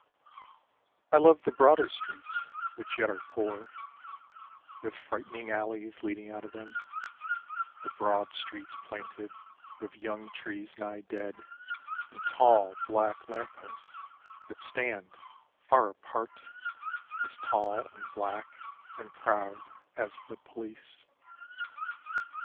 I love the broader streets which yet are poor, With frightening alleys leading out of them ; The broad streets planted with young trees nigh dead And tall black lamp posts that stand far apart — As tall and black and proud as the police.